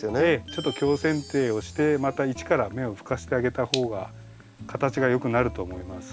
ちょっと強せん定をしてまた一から芽を吹かせてあげた方が形がよくなると思います。